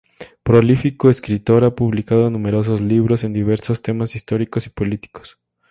Prolífico escritor ha publicado numerosos libros en diversos temas históricos y políticos.